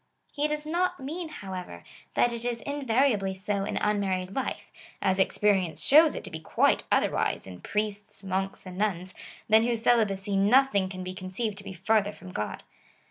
He does not mean, however, that it is invariably so in un married life, as experience shows it to be quite otherwise in priests, monks, and nuns, than whose celibacy nothing can be conceived to be farther from God.